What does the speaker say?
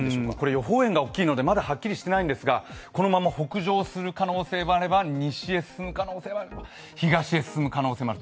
予報円が大きいのでまだはっきりしていないのですがこのまま北上する可能性もあれば西に進む可能性もあれば、東へ進む可能性もある。